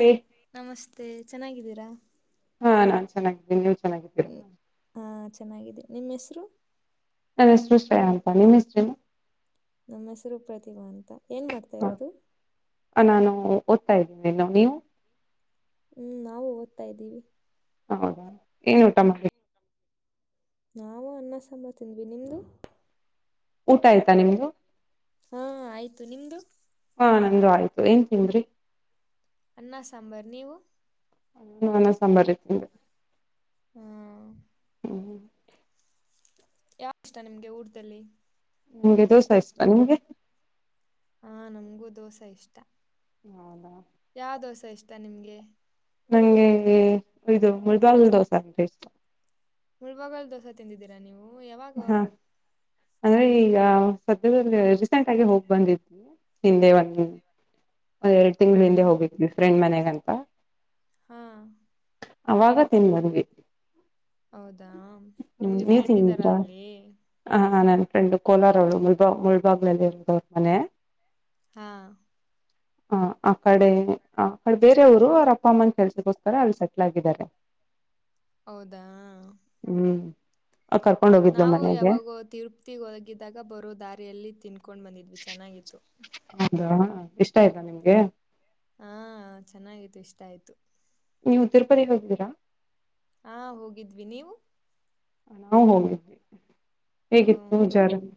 ಹೇ ನಮಸ್ತೆ ಚೆನ್ನಾಗಿದ್ದೀರಾ. ಹಾ ನಾನ್ ಚೆಗಿದ್ದೇನಿ ನೀವು. ಹ್ಮ್ ಹ ಚೆನ್ನಾಗಿದೆ. ನಿಮ್ಮ ಹೆಸರು. ನನ್ನ ಹೆಸರು ಶ್ರೇಯ ಆಂತ ನಿಮ್ಮ ಹೆಸರೆನ್ನು. ನಮ್ಮ ಹೆಸರು ಪ್ರತಿಮಾ ಅಂತ ಏನ್ ಮಾಡ್ತಾ ಹ ಇರೋದು. ನಾನು ಓದ್ತಾ ಇದ್ದೀನಿ ನೀನು ನೀವು. ಹ್ಮ್ ನಾವು ಓದ್ತಾ ಇದ್ದೀವಿ. ಹೌದಾ ಏನ್ ಊಟ ಮಾಡ. ನಾವು ಅನ್ನ ಸಾಂಬ ತಿಂದ್ವಿ ನಿಮ್ದು. ಊಟ ಆಯ್ತಾ ನಿಮ್ದು. ಹಾ ಆಯ್ತು ನಿಮ್ದು. ನಮ್ದು ಆಯ್ತು ಏನ್ ತಿಂದ್ರಿ. ಅನ್ನ ಸಾಂಬಾರ್ ನೀವು. ನಾನು ಅನ್ನ ಸಾಂಬಾರೆ ತಿಂದೆ. ಹಾ ಹ್ಮ್ ಯಾವ್ದ್ ಇಷ್ಟ ನಿಮ್ಗೆ ಊಟದಲ್ಲಿ. ನಮ್ಗೆ ದೋಸ ಇಷ್ಟಾ ನಿಮ್ಗೆ. ಹ ನಂಗೂ ದೋಸ ಇಷ್ಟ. ಹೌದಾ. ಯಾವ ದೋಸ ಇಷ್ಟ ನಿಮ್ಗೆ. ನಂಗೆ ಇದು ಮುಳಬಾಗ್ಲ್ ದೋಸ ಅಂದ್ರೆ ಇಷ್ಟ. ಮುಳ್ಬಗಲ್ ದೋಸೆ ತಿಂದಿದ್ದೀರಾ ನೀವು. ಹೂ ಯಾವಾಗ. ಹಾ ಅಂದ್ರೆ ಈಗ ಸದ್ಯದಲ್ ರೀಸೆಂಟ್ ಆಗಿ ಹೋಗ್ ಬಂದಿದ್ವಿ ಹಿಂದೆ ಒಂದು. ಒಂದ ಎರಡ್ ತಿಂಗಳ ಹಿಂದ ಹೋಗಿದ್ವಿ ಫ್ರೆಂಡ್ ಮನೆಗ [unintelligible] ಹಾ ಅವಾಗ ತಿಂದ್ ಬಂದ್ವಿ ಹೌದಾ ಹ್ಮ್ ನಿಮ್ಗೆ ನೀವ್ ಫ್ರೆಂಡ್ ಇದ್ದಾರಾ ಅಲ್ಲಿ ಫ್ರೆಂಡು ಕೋಲಾರ ಅವಳು ಮುಲ್ಬಾ ಮುಳ್ಬಾಗ್ಲಲ್ ಇರೋದವ್ರ್ ಮನೆ. ಹಾ ಹ ಆ ಕಡೆ ಆ ಕಡೆ ಬೇರೆಯವರು ಅವ್ರ ಅಪ್ಪ ಅಮ್ಮನ ಕೆಲ್ಸಗೋಸ್ಕರ ಅಲ್ಲಿ ಸೆಟ್ಲ್ ಆಗಿದ್ದಾರೆ. ಹೌದಾ ಹ್ಮ್ ಕರ್ಕೊಂಡ್ ಹೋಗಿದ್ಲು ನಾವು ಮನೆಗೆ ಯಾವಾಗೋ ತಿರ್ಪ್ತಿ ಹೊಗಿದ್ದಾಗ ಬರೋ ದಾರಿಯಲ್ಲಿ ತಿನ್ ಕೊಂಡು ಬಂದಿದ್ವಿ ಚೆನ್ನಾಗಿತ್ತು. ಹೌದಾ ಇಷ್ಟ ಆಯ್ತಾ ನಿಮ್ಗೆ. ಹ್ಮ್ ಚೆನ್ನಾಗಿತು ಇಷ್ಟ ಆಯ್ತು. ನೀವು ತಿರುಪತಿ ಹೋಗಿದ್ದೀರ. ಹಾ ಹೋಗಿದ್ವಿ ನೀವು ನಾವು ಹೋಗಿದ್ವಿ ಓ ಹೇಗಿತ್ತು ಜರ್ನಿ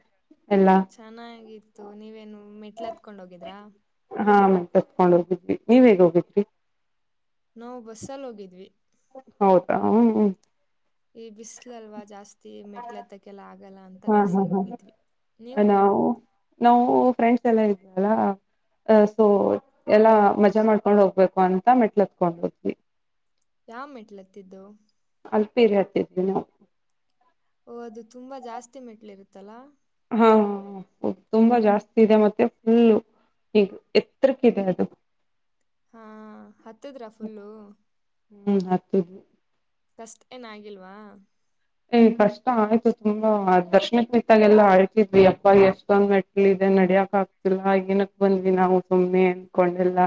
ಎಲ್ಲಾ ಚೆನ್ನಾಗಿತ್ತು ನೀವೇನು ಮೆಟ್ಲ್ ಹತ್ಕೊಂಡ್ ಹೋಗಿದ್ರಾ? ಹತ್ಕೊಂಡ್ ಹೋಗಿದ್ವಿ ನೀವ್ ಹೇಗ್ ಹೋಗಿದ್ರಿ? ನಾವು ಬಸ್ಸಲ್ ಹೋಗಿದ್ವಿ ಆವ್ ಹ್ಮ್ ಈ ಬಿಸ್ಲಲ್ವಾ ಜಾಸ್ ತಿ ಮೆಟ್ಲತ್ತಕ್ಕೆಲ್ಲ ಆಗಲ್ಲ ಅಂತ ಹಾ ಹಾ ಬಸ್ಸಲ್ ಹಾ ಹೋಗಿದ್ವಿ ನೀವು? ಸೆಲ್ಲ ಇದ್ರಲ್ಲ ಅ ಸೊ ಎಲ್ಲಾ ಮಜಾ ಮಾಡ್ಕೊಂಡ್ ಹೋಗ್ಬೇಕು ಅಂತ ಮೆಟ್ಲ ಹತ್ಕೊಂಡ್ ಹೊದ್ವಿ. ಯಾವ ಮೆಟ್ಲತ್ತಿದ್ದು ಅಲ್ಪೀರಿ ಹತ್ತಿದ್ವಿ ನಾವು ಓಹ್ ಅದು ತುಂಬ ಜಾಸ್ತಿ ಮೆಟ್ಲಿರುತ್ತಲ್ಲ. ಹಾ ಹ ಅ ತುಂಬಾ ಜಾಸ್ ತಿದೆ ಮತ್ತೆ ಫುಲ್ಲು ಈಗ್ ಎತ್ರುಕ್ಕಿದೆ ಅದು. ಹಾ ಹತ್ತದ್ರ ಫುಲ್ಲು? ಹ್ಮ್ ಹತ್ತುದ್ವು ಕಸ್ಟ್ ಏನ್ ಆಗಿಲ್ವಾ ಹ್ಮ್ ಕಷ್ಟ ಆಯ್ತು ತುಂಬಾ ದರ್ಶನಕ್ ನಿತ್ತಾಗೆಲ್ಲಾ ಅಳ್ತಿದ್ವಿ ಅಪ್ಪ ಎಷ್ಟೊಂದ್ ಮೆಟ್ಲಿದೆ ನಡಿಯಕ್ ಆಗ್ತಿಲ್ಲ ಏನಕ್ ಬಂದ್ವಿ ನಾವು ಸುಮ್ಮ್ನೆ ಅನ್ಕೊಂಡೆಲ್ಲ.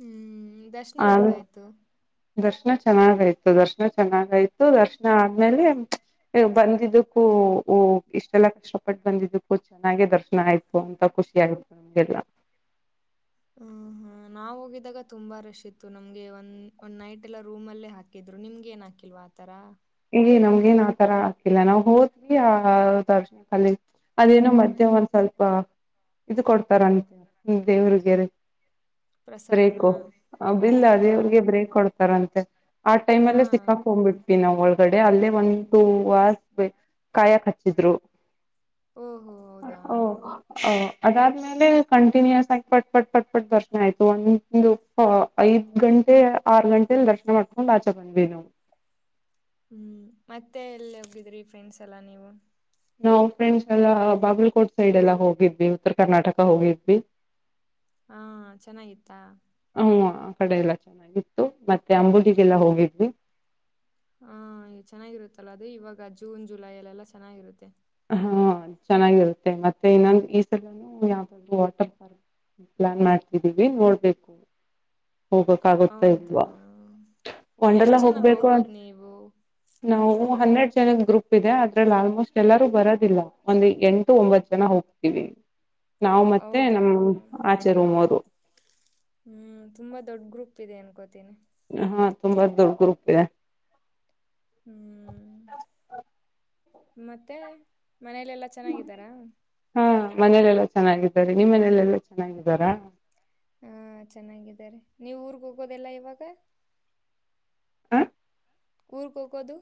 ಹ್ಮ್ ಇ ದರ್ಶನ ಆಮೇಲ್ ಹೆಂಗಾಯ್ತು ದರ್ಶನ ಚೆನ್ನಾಗಾಯ್ತು ದರ್ಶನ ಚೆನ್ನಾಗಾಯ್ತು ದರ್ಶನ ಆದ್ಮೇಲೆ ಬಂದಿದ್ದಕ್ಕೂ ಇಷ್ಟೆಲ್ಲಾ ಕಷ್ಟಪಟ್ಟು ಬಂದಿದ್ದಕ್ಕೂ ಚೆನ್ನಾಗೆ ದರ್ಶನ ಆಯ್ತು ಅಂತ ಖುಷಿ ಆಯ್ತು ನಮ್ಗೆಲ್ಲ. ಹ ಹಾ ನಾವ್ ಹೋಗಿದಾಗ ತುಂಬಾ ರಶ್ ಇತ್ತು ನಮ್ಗೆ ಒಂದ್ ಒಂದ್ ನೈಟ್ ಎಲ್ಲ ರೂಮ್ ಅಲ್ಲೇ ಹಾಕಿದ್ರು ನಿಮ್ಗೆ ಏನ್ ಹಾಕಿಲ್ವಾ ಆತರ? ಏಯ್ ನಮ್ಗೇನ್ ಆತರ ಹಾಕಿಲ್ಲ ನಾವ್ ಹೋದ್ವಿ ಆ ದರ್ಶನದಲಿ ಅದೇನೋ ಮಧ್ಯ ಒಂದ್ ಸ್ವಲ್ಪ ಇದ್ ಕೊಡ್ತಾರಂತೆ ಹ್ಮ್ ದೇವ್ರಿಗೆರಿ ಪ್ರಸಾದನ ಬ್ರೇಕು, ಅ ಬಿಲ್ಲ ಹಾ ದೇವ್ರಿಗೆ ಬ್ರೇಕ್ ಕೊಡ್ತಾರಂತ್ [unintelligible] ಆ ಹಾ ಟೈಮಲ್ಲೇ ಸಿಕ್ಕಾಕ್ಕೊಂಬಿಟ್ವಿ ನಾವ್ ಒಳಗ್ ಗಡೆ ಅಲ್ಲೇ ಒಂದ್ ಟೂ ಹಾರ್ಸ್ ವೇ ಕಾಯಕ್ ಹಚ್ಚಿದ್ರು. ಓಹೋ ಹೌದಾ ಒಓ [unintelligible] ಅದಾದ್ಮೇಲೆ ಕಂಟಿನ್ಯೂಯಸ್ ಆಗಿ ಪಟ್ ಪಟ್ ಪಟ್ ಪಟ್ ದರ್ಶ್ನ ಆಯ್ತು ಒಂದು ಐದ್ ಗಂಟೆ ಆರ್ ಗಂಟೆಲ್ ದರ್ಶ್ನ ಮಾಡ್ಕೊಂಡ್ ಆಚೆ ಬಂದ್ವಿ ನಾವು. ಹ್ಮ್ ಮತ್ತೆ ಎಲ್ಲಿ ಹೋಗಿದ್ರಿ ಫ್ರೆಂಡ್ಸ್ ಎಲ್ಲಾ ನೀವು? ನಾವ್ ಫ್ರೆಂಡ್ಸ್ ಎಲ್ಲಾ ಬಾಗಲ್ಕೋಟ್ ಸೈಡ್ ಎಲ್ಲ ಹೋಗಿದ್ವಿ ಉತ್ತರ ಕರ್ನಾಟಕ ಹೋಗಿದ್ವಿ. ಹಾ ಚೆನ್ನಾಗಿತ್ತಾ? ಹ್ಮು ಆ ಕಡೆ ಎಲ್ಲ ಚೆನ್ನಾಗಿತ್ತು ಮತ್ತೆ ಅಂಬುಲಿಗೆಲ್ಲ ಹೋಗಿದ್ವಿ. ಹಾ ಇ ಚೆನ್ನಾಗಿರುತ್ತಲ್ಲ ಅದು ಇವಾಗ ಜೂನ್ ಜುಲೈ ಅಲ್ಲೆಲ್ಲಾ ಚೆನ್ನಾಗಿರುತ್ತೆ. ಹಾ ಚೆನ್ನಾಗಿರುತ್ತೆ ಮತ್ತೆ ಇನ್ನೊಂದ್ ಈ ಸಲನೂ ಯಾವ್ದಾದ್ರೂ ವಾಟರ್ ಪಾರ್ಕ್ ಪ್ಲಾನ್ ಮಾಡ್ತಿದ್ದೀವಿ ನೋಡ್ಬೇಕು ಹೋಗಕಾಗುತ್ತೋ ಹೌದಾ ಇಲ್ವಾ, ಎಷ್ಟ್ ವಂಡರ್ಲಾ ಜನ ಹೋಗ್ಬೇಕು ಅಂತ್, ಹೋಗೋದ್ ನೀವು ನಾವು ಹನ್ನೆರ್ಡ್ ಜ ಜನದ್ ಗೂಪ್ ಇದೆ ಅದ್ರಲ್ ಆಲ್ಮೋಸ್ಟ್ ಎಲ್ಲರೂ ಬರೋದಿಲ್ಲ, ಒಂದು ಎಂಟು ಒಂಬತ್ ಜನ ಹೋಗ್ತೀವಿ ನಾವ್ ಮತ್ತೆ ಹೌದಾ ನಮ್ ಆಚೆ ರೂಮೋರು. ಹ್ಮ್ ತುಂಬಾ ದೊಡ್ ಗ್ರೂಪ್ ಇದೆ ಅನ್ಕೋತೀನಿ. ಅಹ ತುಂಬಾ ದೊಡ್ ಗ್ರೂಪಿದೆ. ಹ್ಮ್, ಮತ್ತೇ, ಮನೇಲೆಲ್ಲಾ ಚೆನ್ನಾಗಿದ್ದಾರಾ? ಹಾ, ಮನೇಲೆೆಲ್ಲಾ ಚೆನ್ನಾಗಿದ್ದಾರೆ, ನಿಮ್ ಮನೇಲೆಲ್ಲಾ ಚೆನ್ನಾಗಿದ್ದಾರಾ? ಹಾ ಚೆನ್ನಾಗಿದ್ದಾರೆ ನೀವ್ ಊರ್ಗ್ ಹೋಗೋದೆಲ್ಲ ಯವಾಗ? ಹಾ ಊರ್ಗ್ ಹೋಗೋದು?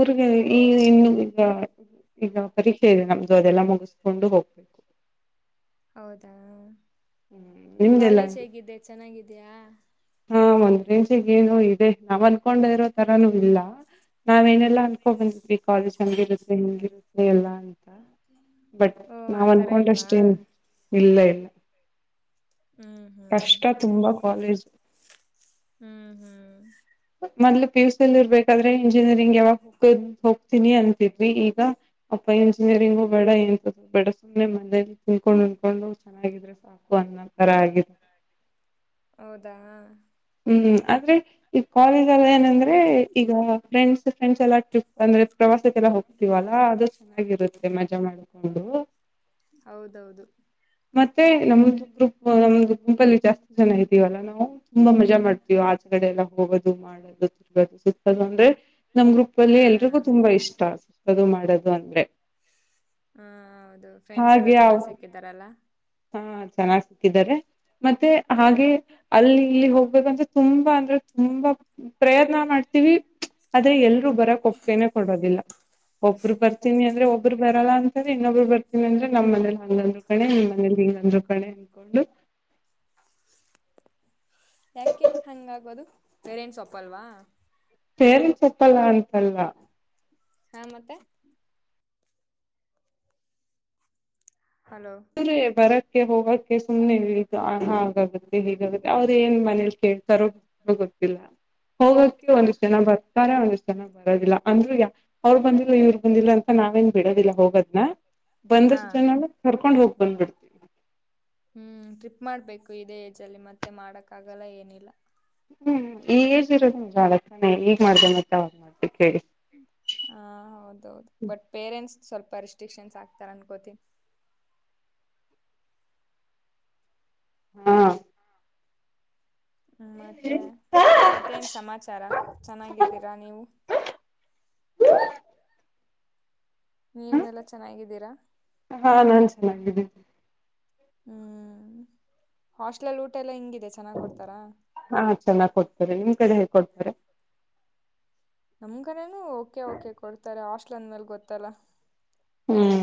ಊರ್ಗೇ ಈ ಇನ್ನು ಈಗ ಈಗ ಪರೀಕ್ಷೆ ಇದೆ ನಮ್ದು ಅದೆಲ್ಲ ಮುಗಸ್ಕೊಂಡು ಹೋಗ್ಬೇಕು. ಹೌದಾ? ಹ್ಮ್ ನಿಮ್ದೆಲ್ಲ ಕಾಲೇಜ್ ಹೇಗಿದೆ, ಚೆನ್ನಾಗಿದ್ ಗಿದ್ಯಾ. ಹಾ ಒಂದ್ ರೇಂಜ್ ಗೇನೋ ಇದೆ ನಾವ್ ಅನ್ಕೊಂಡ್ ಇರೋ ತರನೂ ಇಲ್ಲ ನಾವೇನೆಲ್ಲಾ ಅನ್ಕೊ ಬಂದಿದ್ವಿ ಕಾಲೇಜ್ ಹಂಗ್ ಇರತ್ತೆ ಹಿಂಗಿರುತ್ ಎಲ್ಲಾನೂ ಬಟ್ ಓ ನಾವ್ ಆತರ ಇಲ್ವಾ ಅನ್ಕೊಂಡಷ್ಟೇನ್ ಇಲ್ಲ ಇಲ್ ಹ್ಮ್ [inaudible] ಹ್ಮ್ ಕಷ್ಟ ತುಂಬಾ ಕಾಲೇಜು. ಹ್ಮ್ ಹೂ. ಮೊದ್ಲು ಪಿಯುಸಿಲ್ ಇರ್ಬೇಕಾದ್ರೆ ಇಂಜಿನಿಯರಿಂಗ್ ಯಾವಾಗ್ ಹೋಗದ್ ಹೋಗ್ತೀನಿ ಅಂತಿದ್ವಿ, ಈಗ ಅಪ್ಪ ಇಂಜಿನಿಯರಿಂಗೂ ಬೇಡ ಎಂತದೂ ಬೇಡ ಸುಮ್ನೆ ಮನೇಲ್ ತಿನ್ಕೊಂಡ್ ಉಣ್ಕೊಂಡು ಚೆನ್ನಾಗಿದ್ರೆ ಸಾಕು ಅನ್ನೋ ತರ ಆಗಿದೆ. ಹೌದಾ? ಹ್ಮ್, ಆದ್ರೆ ಈಗ್ ಕಾಲೇಜಲ್ ಏನಂದ್ರೆ ಈಗ ಫ್ರೆಂಡ್ಸ್ ಫ್ರೆಂಡ್ಸ್ ಎಲ್ಲ ಟ್ರಿಪ್ ಅಂದ್ರೆ ಪ್ರವಾಸಕ್ಕೆಲ್ಲಾ ಹೋಗ್ತೀವಲ್ಲಾ ಅದು. ಚೆನ್ನಾಗಿರುತ್ತೆ ಮಜಾ ಮಾಡ್ಕೊಂಡು. ಹೌದೌದು. ಮತ್ತೆ ನಮ್ದು ಗ್ರೂಪ್ ನಮ್ದು ಗ್ರುಪಲ್ಲಿ ಜಾಸ್ತಿ ಜನ ಇದ್ದೀವಲ್ಲಾ ನಾವು. ತುಂಬಾ ಮಜಾ ಮಾಡ್ತೀವಿ ಆಚಗಡೆ ಎಲ್ಲ ಹೋಗೋದು ಮಾಡೋದು ತಿರುಗದು ಸುತ್ತದು ಅಂದ್ರೆ. ನಮ್ ಗ್ರೂಪ್ ಅಲ್ಲಿ ಹಾ ಎಲ್ರಿಗೂ ತುಂಬಾ ಇಷ್ಟ. ದು ಮಾಡದು ಅಂದ್ರೆ. ಹಾ ಹೌದು ಫ್ರೆಂಡ್ಸ್ ಎಲ್ಲಾ ಹಾಗೆ ಚೆನ್ನಾಗ್ ಸಿಕ್ಕಿದಾರಲ್ಲಾ. ಹಾ ಚೆನ್ನಾಗ್ ಸಿಕ್ಕಿದ್ದಾರೆ ಮತ್ತೆ ಹಾಗೆ ಅಲ್ಲಿ ಇಲ್ಲಿ ಹೋಗ್ಬೇಕಂದ್ರೆ ತುಂಬಾ ಅಂದ್ರೆ ತುಂಬಾ ಪ್ರಯತ್ನ ಮಾಡ್ತೀವಿ ಆದ್ರೆ ಎಲ್ರು ಬರಕ್ ಒಪ್ಗೆೇನೆೇ ಕೊಡೋದಿಲ್ಲ ಒಬ್ರು ಬರ್ತೀನಿ ಅಂದ್ರೆ ಒಬ್ಬರು ಬರಲ್ಲ ಅಂತ್ರ ಇನ್ನೊಬ್ರು ಬರ್ತೀನಿ ಅಂದ್ರೆ ನಮ್ಮನೆಲ್ ಹಂಗ್ಅಂದ್ರು ಕಣೆ ಇಂಗ್ ಅಂದ್ರು ಕಣೆ ಅಂದ್ಕೊಂಡು. ಯಾಕೆ ಹಂಗಾಗೋದು ಪೇರೆಂಟ್ಸ್ ಒಪ್ಪಲ್ವಾ. ಪೇರೆಂಟ್ಸ್ ಒಪ್ಪಲ್ಲ ಅಂತಲ್ಲ. ಹಾ ಮತ್ತೆ. ಹಲೋ ಇವ್ರೆ ಬರಕ್ ಕ್ಕೆ ಹೋಗಕ್ಕೆ ಸುಮ್ನೆ ಇ ಹಾಗಾಗತ್ತೆ ಹಿಗಾಗತ್ತೆ ಅವ್ರ ಏನ್ ಮನೇಲಿ ಕೇಳ್ತಾರೋ ಗೊತ್ತಿಲ್ಲ ಹೋಗಕ್ಕೆ ಒಂದಷ್ಟ್ ಜನ ಬರ್ತಾರೆ ಒಂದಷ್ಟ್ ಜನ ಬರೋದಿಲ್ಲ ಅಂದ್ರು ಅವರ್ ಬಂದಿಲ್ಲ ಇವ್ರ ಬಂದಿಲ್ಲ ಅಂತ ನಾವೇನ್ ಬಿಡೋದಿಲ್ಲ ಹೋಗೋದನ. ಹಾ ಬಂದಷ್ಟು ಜನನು ಕರ್ ಹೋಗ್ ಬಂದ್ಬಿಡ್ತಿವಿ. ಹ್ಮ್ ಟ್ರಿಪ್ ಮಾಡ್ಬೇಕು ಇದೇ ಏಜ್ ಅಲ್ಲಿ ಮತ್ತೆ ಮಾಡಕ್ ಆಗಲ್ಲ ಏನಿಲ್ಲ. ಹ್ಮ್ ಈ ಏಜ್ ಇರೋದೇ ಮಜಾ ಮಾಡೋಕೆ ತಾನೆ ಈಗ್ ಮಾಡ್ದ ಮತ್ತ ಅವಾಗ ಮಾ ಹ ಹೌದೌದು ಬಟ್ ಪೇರೆಂಟ್ಸ್. ಸ್ವಲ್ಪ ರೆಸ್ಟ್ರಿಕ್ಷನ್ ಹಾಕ್ತಾರೆ ಅನ್ಕೋತಿನಿ. ಹಾ ಹ ಮತ್ತೆ ಮತ್ತೇನ್ ಸಮಾಚಾರ ಚೆನ್ನಾಗಿದ್ದೀರಾ ನೀವು. ನೀವು ಎಲ್ಲಾ ಚೆನ್ನಾಗಿದ್ದೀರಾ. ಚೆನಗಿದಿನಿ. ಹ್ಮ್ ಹಾಸ್ಟ್ಲಲ್ ಊಟ ಎಲ್ಲ ಹೆಂಗ್ ಹಾ ಚೆನ್ನಾಗ್ ಕೊಡ್ತರೆ ನಿಮ್ ಕಡ್ ಕೊಡ್ತರೆ. ನಮ್ಕಡೆನು ಓಕೆ ಓಕೆ ಕೊಡ್ತಾರೆ ಹಾಸ್ಟ್ಲು ಅಂದಮೇಲೆ ಮೇಲ್ ಗೊತ್ತಲ್ಲ. ಹ್ಮ್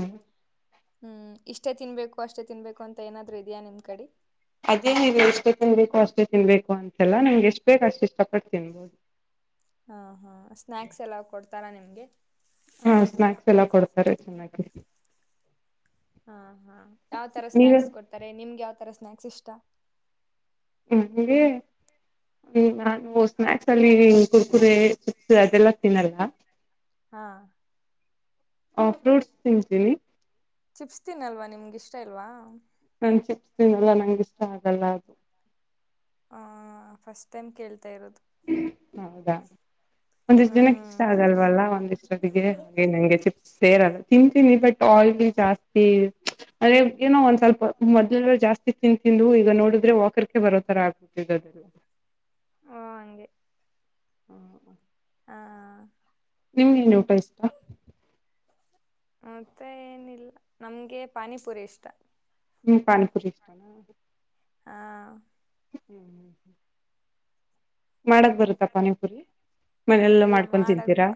ಹ್ಮ್ ಇಷ್ಟೇ ತಿನ್ಬೇಕು ಅಷ್ಟೇ ತಿನ್ಬೇಕು ಅಂತ ಏನಾದ್ರು ಇದ್ಯಾ ನಿಮ್ ಕಡಿ. ಅಲ್ಲ ನಂಗ್ ಎಷ್ಟು ಬೇಕ ಅಷ್ಟ್ ಇಷ್ಟಪಟ್ಟು ತಿನ್ಬೋದ್ ಹಾ ಹಾ ಸ್ನ್ಯಾಕ್ಸ್ ಎಲ್ಲ ಕೊಡ್ತಾರಾ ನಿಮ್ ಗೆ. ಹಾ ಸ್ನಾಕ್ಸ್ ಎಲ್ಲ ಕೊಡ್ತಾರೆ [unintelligible] ಹಾಹಾ ಯಾವ್ ತರ ನೀವ ಸ್ನಾಕ್ಸ್ ಕೊಡ್ತಾರೆ ನಿಮ್ಗ್ ಯಾವ್ ತರ ಸ್ನಾಕ್ಸ್ ಇಷ್ಟ. ನಂಗೇ ನಾನು ಸ್ನಾಕ್ಸ್ ಅಲ್ಲಿ ಕುರ್ಕುರೆ ಚಿಪ್ಸ್ ಅದೆಲ್ಲ ತಿನ್ನಲ್ಲ ಹಾ ಆ ಫ್ರೂಟ್ಸ್ ತಿಂತೀನಿ ಚಿಪ್ಸ್ ತಿನ್ನಲ್ವ, ನಿಮ್ಗ್ ಇಷ್ಟ ಇಲ್ವಾ? ನಾನ್ ಚಿಪ್ಸ್ ತಿನ್ನಲ್ಲ ನಂಗ್ ಇಷ್ಟ ಆಗಲ್ಲ ಅದು. ಹಾ ಫಸ್ಟ್ ಟೈಮ್ ಕೇಳ್ ಹೌದಾ, ಒಂದಿಷ್ಟ್ ಜನಕ್ ಇಷ್ಟ ಹ್ಮ್ ಆಗಲ್ವಲ್ಲ ಒಂದಿಷ್ಟ್ [unintelligible] ಹಾಗೆ ನಂಗೆ ಚಿಪ್ಸ್ ಸೇರಲ್ಲ. ತಿಂತೀನಿ ಬಟ್ ಆಯಿಲಿ ಜಾಸ್ತಿ ಅದೇ ಏನೋ ಒಂದ್ ಸ್ವಲ್ಪ ಮೊದ್ಲೆಲ್ಲಾ ಜಾಸ್ತಿ ತಿಂದ್ ತಿಂದು ಈಗ ನೋಡದ್ರೆ ವಾಕರಿಕೆ ಬರೋ ತರ ಆಗ ಬಿಟ್ಟಿದೆ ಅದೆಲ್ಲ. ಓ ಹಂಗೆ [unintelligible] ಹಾ. ನಿಮ್ಗೇನ್ ಊಟ ಇಷ್ಟ? ಮತ್ತೆ ಏನಿಲ್ಲ, ನಮ್ಗೆ ಪಾನಿಪುರಿ ಇಷ್ಟ. ನಿಮ್ಗ್ ಪಾನಿಪುರಿ ಇಷ್ಟಾನ? ಹಾ. ಹ್ಮ್ ಹುಹೂ. ಮಾಡಕ್ ಬರುತ್ತಾ ಪಾನಿಪುರಿ ಮನೇಲೆಲ್ಲ ಇಲ್ಲ ಮಾಡ್ಕೊಂಡ್ ಮಾಡಕ್ ತಿಂತೀರಾ. ಬ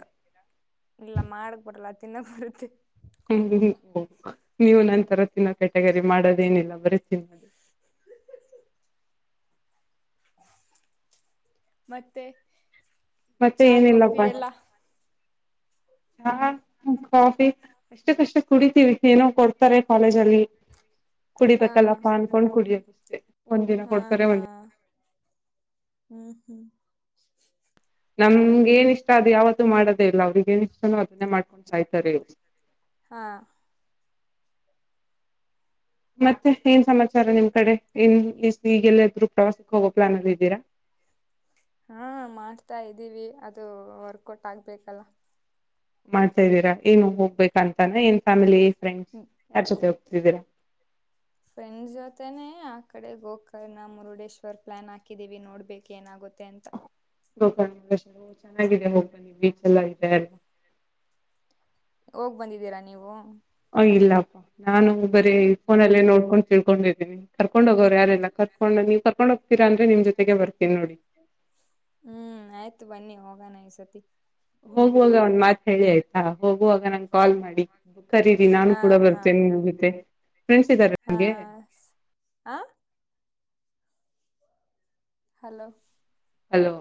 ಇಲ್ಲ ಮಾಡಕ್ ಬರಲ್ಲ ತಿನ್ನಕ್ ಬರುತ್ತೆ. [unintelligible] ನೀವು ನನ್ ತರ ತಿನ್ನಕ್ ಕೆಟಗರಿ ಮಾಡೋದೇನಿಲ್ಲ. ಬರಿ ತಿನ್ನದು. ಮತ್ತೇ. ಮತ್ತೆ ಏನಿಲ್ಲಪ್ಪಾ. ಚಾ ಕಾಫಿ ಅಷ್ಟುಕಷ್ಟು ಕುಡಿತೀವಿ ಏನೋ ಕೊಡ್ತಾರೆ ಕಾಲೇಜಲ್ಲಿ. ಹಾ ಕುಡಿಬೇಕಲ್ಲಪ್ಪಾ ಅನ್ಕೊಂಡ್ ಕುಡಿಯೋದು ಅಷ್ ಹೆ ಒಂದ್ ದಿನ ಹಾ ಕೊಡ್ತಾರೆ ಹಾ ಒಂದಿನ ಹ್ಮ್ ಹ್ಮ್ ನಮ್ಗೆ ಏನ ಇಷ್ಟ ಅದು ಯಾವತ್ತೂ ಮಾಡೋದೇ ಇಲ್ಲ ಅವ್ರಿಗ್ ಏನ ಇಷ್ಟಾನ ಅದನ್ನೇ ಮಾಡ್ಕೊಂಡ್ ಸಾಯ್ತಾರೆ ಇಲ್ ಹಾ ಮತ್ತೆ ಏನ್ ಸಮಾಚಾರ ನಿಮ್ ಕಡೆ ಇನ್ ಈಗೆಲ್ಲಾದ್ರು ಪ್ರವಾಸಕ್ಕೆ ಹೋಗೋ ಪ್ಲಾನ್ ಅಲ್ಲಿದಿರ. ಹಾ ಮಾಡ್ತಾ ಇದ್ದೀವಿ ಅದು ವರ್ಕೌಟ್ ಆಗ್ಬೇಕಲ್ಲ. ಮಾಡ್ತಾದೀರಾ ಏನು ಹೋಗ್ಬೇಕ ಅಂತಾನ ಏನ್ ಫ್ಯಾಮಿಲಿ. ಫ್ರೆಂಡ್ಸ್ ಜೊತೆ ಇದಿರಿ ಫ್ರೆಂಡ್ ಜೊತೆನೆೇ ಆ ಕಡೆ ಗೋಕರ್ಣ ಮುರುಡೇಶ್ವರ್ ಪ್ಲಾನ್ ಹಾಕಿದ್ದೀವಿ ನೋಡ್ಬೇಕ ಏನಾಗುತ್ತೆ ಅಂತ ೋಕಿ ಎಲ್ಲ ಚೆನ್ನಾಗಿದೆ ಹೋಗ್ಬಿ ಬೀಚ್ ಎಲ್ಲ ಇದೆ ಎಲ್ಲ [unintelligible] ಹೋಗ್ ಬಂದಿದ್ದೀರಾ ನೀವು ಇಲ್ಲಪ್ಪ ನಾನು ಬರೀ ಫೋನಲ್ಲೇ ನೋಡ್ಕೊಂಡ ತಿಳ್ಕೊಂಡಿದ್ದೀನಿ ಕರ್ಕೊಂಡ್ ಹೋಗೋರ್ ಯಾರಿಲ್ಲ ಕರ್ಕೊಂಡ ನೀ ಕರ್ಕೊಂಡೋ ಹೋಗ್ತೀರ ಅಂದ್ರೆ ನಿಮ್ ಜೊತೆಗೆ ಬರ್ತಿ ಹ್ಮ್ ಆಯ್ತು ಬನ್ನಿ ಹೋಗೋಣಾ ಈ ಸ ಲಿ ಹೋಗುವಾಗ ಒಂದ್ ಮಾತ್ ಹೇಳಿ ಆಯ್ತಾ ಹೋಗುವಾಗ ನಾ ಕಾಲ್ ಮಾಡಿ ಕರೀರಿ ನಾನು ಹಾ ಕೂಡ ಹಾ ಬರ್ತೀನಿ ನಿಮ್ ಜೊತೆ ಫ್ರೆಂಡ್ಸ್ ಇದ್ದಾರೆ ಹಾ ನಮಗೆ ಸ್- ಆ ಹಲೋ ಹಲೋ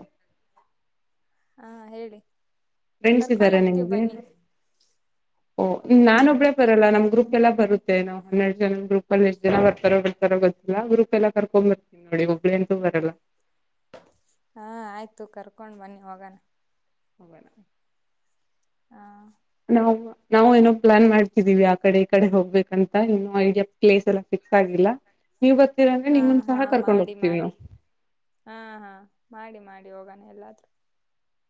ಹಾ ಹೇಳಿ ಫ್ರೆಂಡ್ಸ್ ಕರ್ಕೊಂಡ್ ಇದ್ದಾರಾ ಹೋಗ್ತೀವಿ ನಿಮ್ಗೆ ಬನ್ನಿ ಓಹ ನಾನ ಒಬ್ಬಳೇ ಬರಲ್ಲ ನಮ್ ಗ್ರೂಪ್ ಎಲ್ಲ ಬರುತ್ತೆ ನಾವ್ ಹನ್ನೆರಡ್ ಜನ ಗ್ರೂಪ್ ಅಲ್ಲಿ ಎಷ್ಟ್ ಜನ ಬರ್ತಾರೋ ಬಿಡ್ತಾರೋ ಗೊತ್ತಿಲ್ಲ ಗ್ರೂಪ್ ಎಲ್ಲಾ ಕರ್ಕೊಂಡ್ ಬರ್ತೀನಿ ನೋಡಿ ಒಬ್ಬಳೇ ಅಂತೂ ಬರಲ್ಲ ಹಾ ಆಯ್ತು ಕರ್ಕೊಂಡ್ ಬನ್ನಿ ಹೋಗೋಣ [inaudible] ಹಾ ನಾವು ನಾವು ಏನೋ ಪ್ಲಾನ್ ಮಾಡ್ತಿದೀವಿ ಆ ಕಡೆ ಈ ಕಡೆ ಹೋಗ್ಬೇಕಂತ ಇನ್ನು ಐಡಿಯಾ ಪ್ಲೇಸ್ ಎಲ್ಲ ಫಿಕ್ಸ್ ಆಗಿಲ್ಲ ನೀವ್ ಬರ್ತೀರಾ ಅಂದ್ರೆ ಹಾ ನಿಮ್ಮನ್ ಹಾ ಸಹ ಕರ್ಕೊಂಡ್ ಮಾಡಿ ಹೋಗ್ತೀವಿ ಮಾಡಿ ನಾವು ಹಾ ಹಾ ಮಾಡಿ ಮಾಡಿ ಹೋಗಾನೆ ಎಲ್ಲಾದ್ರೂ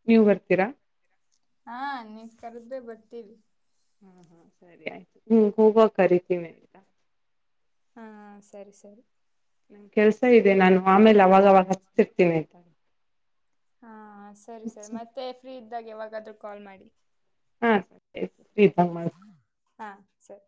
ನೀವು ಬರ್ತೀರಾ ಹಾ ನೀವು ಕರದ್ರೆ ಬರ್ತೀವಿ ಹ್ಮ ಹೋಗುವಾಗ ಕರೀತೀನಿ ಹಾ ಸರಿ ಸರಿ ಕೆಲ್ಸ ಇದೆ ನಾನು ಆಮೇಲೆ ಅವಾಗವಾಗ ಹಚ್ತಿರ್ತೀವಿ ಹಾ ಸರಿ ಸರಿ ಮತ್ತೆ ಫ್ರೀ ಇದ್ದಾಗ ಯಾವಾಗಾದ್ರೂ ಕಾಲ್ ಮಾಡಿ ಹಾ ಫ್ರೀ ಇದ್ದಾಗ ಮಾಡಿ ಹಾ ಸರಿ